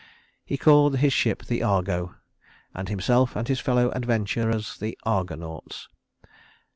He called his ship the Argo, and himself and his fellow adventurers the Argonauts.